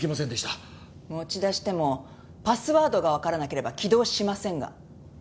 持ち出してもパスワードがわからなければ起動しませんが？